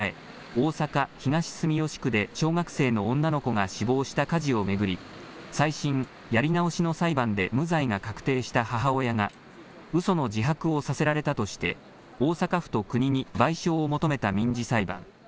２８年前、大阪・東住吉区で小学生の女の子が死亡した火事を巡り、再審・やり直しの裁判で無罪が確定した母親が、うその自白をさせられたとして、大阪府と国に賠償を求めた民事裁判。